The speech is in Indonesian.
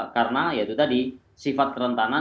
karena ya itu tadi sifat kerentanan